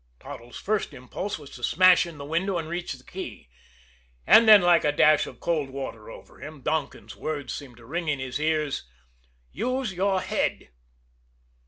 Toddles' first impulse was to smash in the window and reach the key. And then, like a dash of cold water over him, Donkin's words seemed to ring in his ears: "Use your head."